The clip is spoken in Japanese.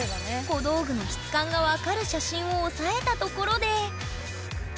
小道具の質感が分かる写真を押さえたところで。